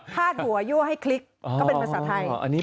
พาดหัวยั่วให้คลิกก็เป็นภาษาไทย